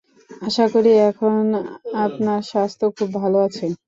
আশা করি, এখন আপনার স্বাস্থ্য খুব ভাল আছে।